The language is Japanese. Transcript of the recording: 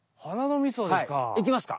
いきますか？